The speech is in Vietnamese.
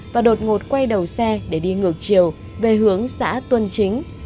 và đột ngột quay đầu xe để đi ngược chiều về hướng xã tuân chính